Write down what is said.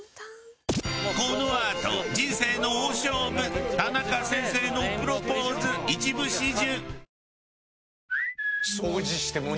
このあと人生の大勝負田中先生のプロポーズ一部始終。